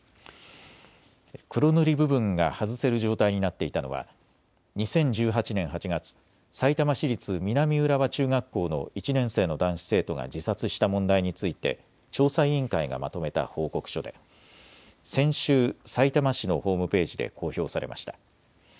黒塗り部分が外せる状態になっていたのは２０１８年８月、さいたま市立南浦和中学校の１年生の男子生徒が自殺した問題について調査委員会がまとめた報告書で先週、さいたま市のホームページで公表されました。